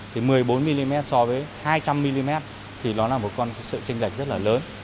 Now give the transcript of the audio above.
thì một mươi bốn mm so với hai trăm linh mm thì nó là một con sợi chênh dạch rất là lớn